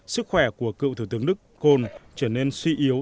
sức khỏe của cựu thủ tướng đức kols trở nên suy yếu